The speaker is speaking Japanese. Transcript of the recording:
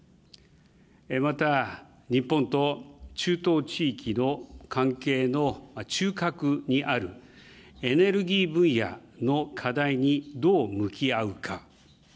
また、日本と中東地域の関係の中核にある、エネルギー分野の課題にどう向き合うか。